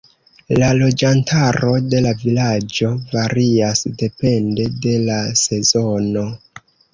La loĝantaro de la vilaĝo varias depende de la sezono.